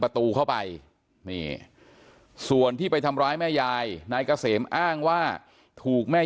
ประตูเข้าไปนี่ส่วนที่ไปทำร้ายแม่ยายนายเกษมอ้างว่าถูกแม่